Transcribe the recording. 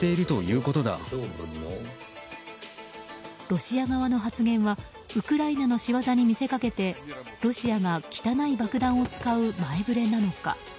ロシア側の発言はウクライナの仕業に見せかけてロシアが汚い爆弾を使う前触れなのか。